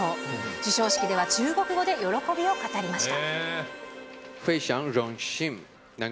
授賞式では、中国語で喜びを語りました。